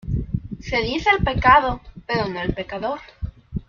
Se dice el pecado, pero no el pecador.